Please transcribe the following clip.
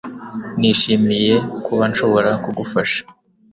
Nishimiye kuba nshobora kugufasha